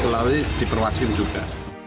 terlalu diperwaksin juga